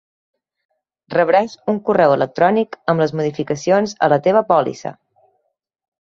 Rebràs un correu electrònic amb les modificacions a la teva pòlissa.